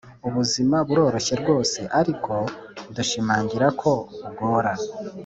“ubuzima buroroshye rwose, ariko dushimangira ko bugora.”